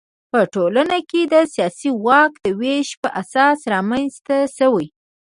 په ټولنه کې د سیاسي واک د وېش پر اساس رامنځته شوي.